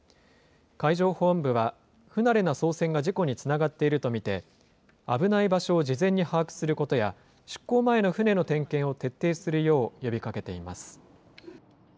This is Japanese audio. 海上保安部は、不慣れな操船が事故につながっていると見て、危ない場所を事前に把握することや、出航前の船の点検を徹底するよう呼びかけています。